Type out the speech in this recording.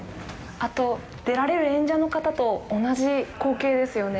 あと、出られる演者の方と同じ光景ですよね。